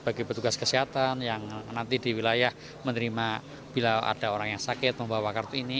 bagi petugas kesehatan yang nanti di wilayah menerima bila ada orang yang sakit membawa kartu ini